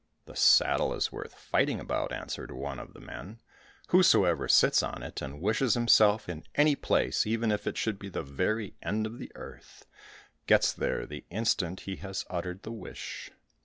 "The saddle is worth fighting about," answered one of the men; "whosoever sits on it, and wishes himself in any place, even if it should be the very end of the earth, gets there the instant he has uttered the wish.